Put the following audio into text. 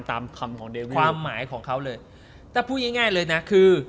ตามคำของเดวิความหมายของเขาเลยถ้าพูดง่ายง่ายเลยนะคือ